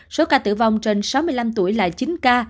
số ca tử vong trên sáu mươi năm tuổi là chín ca